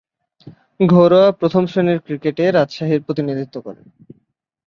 ঘরোয়া প্রথম-শ্রেণীর ক্রিকেটে রাজশাহীর প্রতিনিধিত্ব করেন।